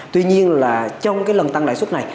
tuy nhiên là trong lần tăng lãi xuất này